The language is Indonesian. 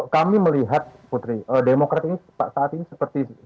kami melihat putri demokrat saat ini seperti di atas anggota